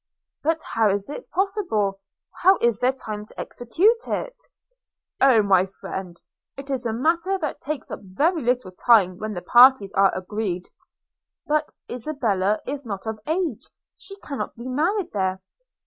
'But how is it possible? How is there time to execute it?' 'Oh, my friend! it is a matter that takes up very little time when the parties are agreed.' 'But Isabella is not of age; she cannot be married here.'